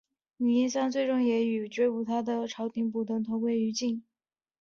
倪三最终也与追捕他的朝廷捕头同归于尽。